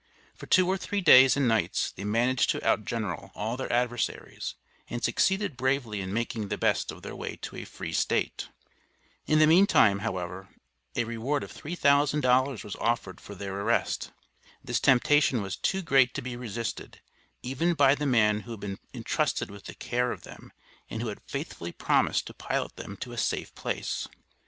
For two or three days and nights they managed to outgeneral all their adversaries, and succeeded bravely in making the best of their way to a Free State. In the meantime, however, a reward of $3,000 was offered for their arrest. This temptation was too great to be resisted, even by the man who had been intrusted with the care of them, and who had faithfully promised to pilot them to a safe place.